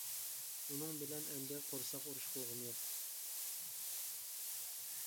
ئۇنىڭ بىلەن ئەمدى قورساق ئۇرۇشى قىلغۇم يوق.